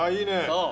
そう。